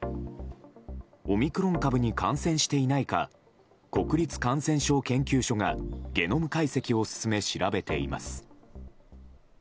オミクロン株に感染していないか国立感染症研究所がゲノム解析を進め、調べています。